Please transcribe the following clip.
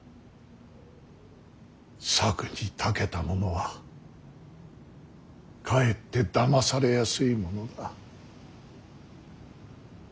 策にたけた者はかえってだまされやすいものだ。